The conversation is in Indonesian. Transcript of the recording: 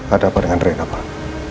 ada apa dengan rena pak